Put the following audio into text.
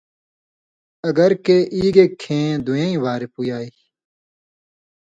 اگر کہ ای گے کھیں دُویں وار پُویائ۔